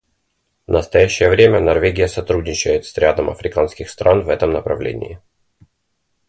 В настоящее время Норвегия сотрудничает с рядом африканских стран в этом направлении.